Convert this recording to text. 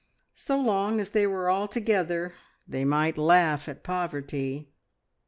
So long as they were all together, they might laugh at poverty!